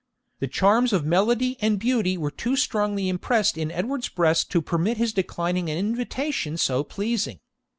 The charms of melody and beauty were too strongly impressed in Edward's breast to permit his declining an invitation so pleasing.